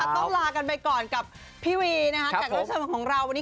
ต้องลากันไปก่อนกับพี่วี